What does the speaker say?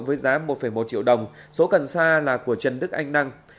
với giá một một triệu đồng số cần xa là của trần đức anh năng